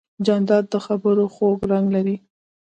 جانداد د خبرو خوږ رنګ لري.